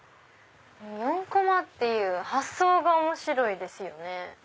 ４こまっていう発想が面白いですよね。